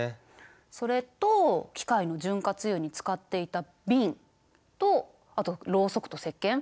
それと機械の潤滑油に使っていた瓶とあとろうそくとせっけん。